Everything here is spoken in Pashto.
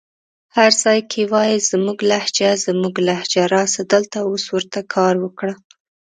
هر ځای کې وايې زموږ لهجه زموږ لهجه راسه دلته اوس ورته کار وکړه